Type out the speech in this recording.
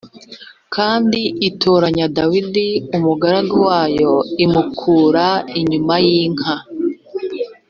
kandi itoranya dawidi umugaragu wayo imukura inyuma yinka